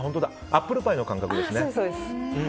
アップルパイの感覚ですね。